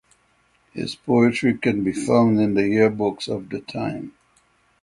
His poetry can be found in the yearbooks of the time.